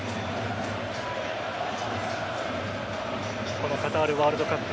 このカタールワールドカップ